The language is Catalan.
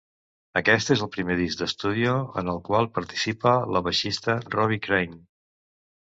Aquest és el primer disc d"estudio en el qual participa el baixista Robbie Crane.